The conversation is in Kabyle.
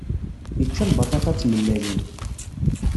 Yečča lbaṭaṭa d tmellalin.